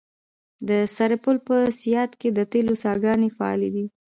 د سرپل په صیاد کې د تیلو څاګانې فعالې دي.